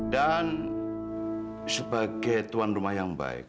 dan sebagai tuan rumah yang baik